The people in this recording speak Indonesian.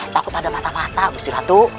takut ada mata mata gusti ratu